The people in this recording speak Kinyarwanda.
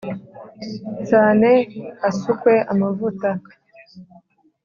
Cyane hasukwe amavuta .